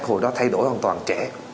hồi đó thay đổi hoàn toàn trẻ